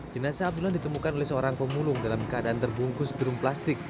jenazah abdullah ditemukan oleh seorang pemulung dalam keadaan terbungkus drum plastik